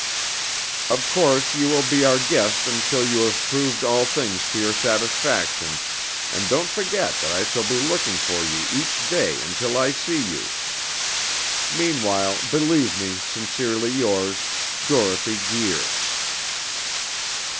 Of course you will be our guest until you have proved all things to your satisfaction, and don't forget that I shall be looking for you each day until I see you. Meanwhile believe me Sincerely yours, DOROTHY GUIR.